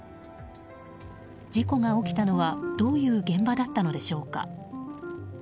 事故が起きたのはどういう現場だったのでしょうか。